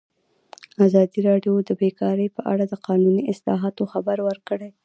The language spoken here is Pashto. ازادي راډیو د بیکاري په اړه د قانوني اصلاحاتو خبر ورکړی.